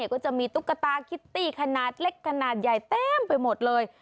ก็จะมีตุ๊กตาคิตตี้ขนาดเล็กขนาดใหญ่เต็มไปหมดเลย